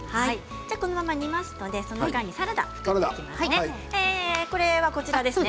このままに煮ますのでその間にサラダを作っていきますね。